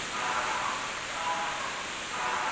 صله رحمي د عمر او رزق د زیاتوالي لاره ده.